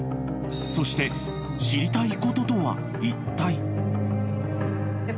そして知りたいこととはいったい］